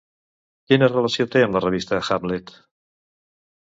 Quina relació té amb la revista Hamlet?